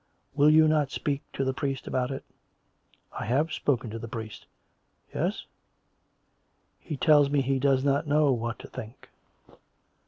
... Will you not speak to the priest about it.'' "" I have spoken to the priest." "Yes?" " He tells me he does not know what to think."